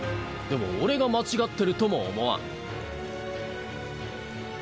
でも俺が間違ってるとも思わん。